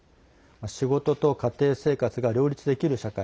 仕事と家庭生活が両立できる社会。